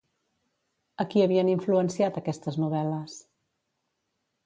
A qui havien influenciat aquestes novel·les?